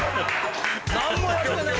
何もやってない。